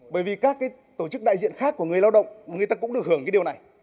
bởi vì các tổ chức đại diện khác của người lao động người ta cũng được hưởng cái điều này